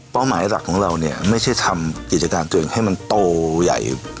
หมายหลักของเราเนี่ยไม่ใช่ทำกิจการตัวเองให้มันโตใหญ่